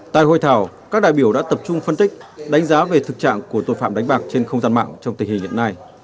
tại hội thảo các đại biểu đã tập trung phân tích đánh giá về thực trạng của tội phạm đánh bạc trên không gian mạng trong tình hình hiện nay